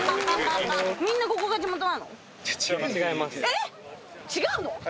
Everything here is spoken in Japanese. え⁉違うの？